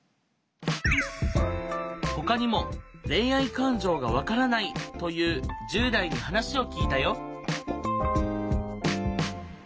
ほかにも「“恋愛感情”がわからない」という１０代に話を聞いたよ。